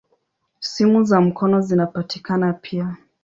Simu za mkono zinapatikana pia.